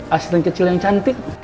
asisten kecil yang cantik